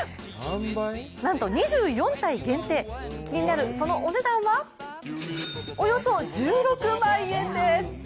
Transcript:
なんと２４体限定気になるそのお値段はおよそ１６万円です。